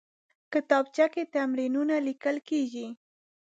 کتابچه کې تمرینونه لیکل کېږي